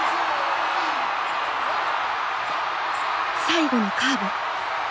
最後のカーブ。